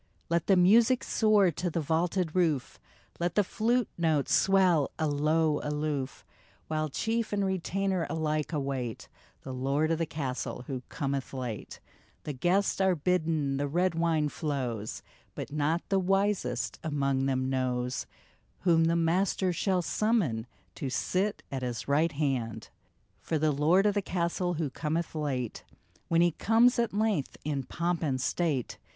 Let the music soar to the vaulted roof, Let the flute notes swell, alow, aloof, While chief and retainer alike await The Lord of the Castle who cometh late ; The guests are bidden, the red wine flows, But not the wisest among them knows Whom the Master shall summon To sit at his right hand ! For the Lord of the Castle, who cometh late, When he comes, at length, in pomp and state.